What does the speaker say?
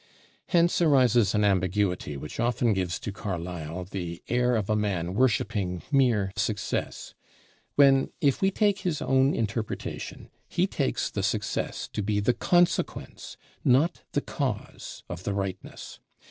Hence arises an ambiguity which often gives to Carlyle the air of a man worshiping mere success; when, if we take his own interpretation, he takes the success to be the consequence, not the cause, of the rightness.